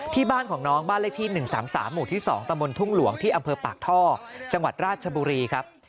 ที่บ้านของน้องบ้านเลขที่๑๓๓หมู่ที่๒ตำบลทุ่งหลวงที่อำเภอปากท่อจังหวัดราชบุรีครับ